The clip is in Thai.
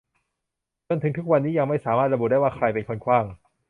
จนถึงทุกวันนี้ยังไม่สามารถระบุได้ว่าใครเป็นคนขว้าง